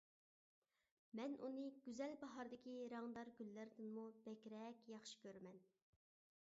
مەن ئۇنى گۈزەل باھاردىكى رەڭدار گۈللەردىنمۇ بەكرەك ياخشى كۆرىمەن.